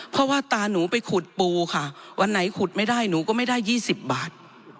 เพราะว่าตาหนูไปขุดปูค่ะวันไหนขุดไม่ได้หนูก็ไม่ได้๒๐บาท